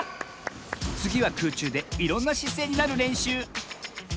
つぎはくうちゅうでいろんなしせいになるれんしゅう。